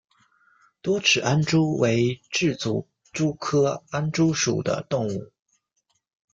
多齿安蛛为栉足蛛科安蛛属的动物。